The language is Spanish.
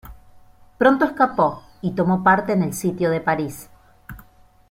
Pronto escapó, y tomó parte en el Sitio de París.